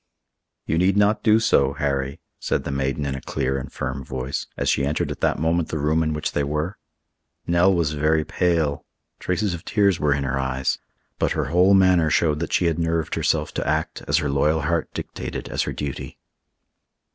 "You need not do so, Harry," said the maiden in a clear and firm voice, as she entered at that moment the room in which they were. Nell was very pale; traces of tears were in her eyes; but her whole manner showed that she had nerved herself to act as her loyal heart dictated as her duty.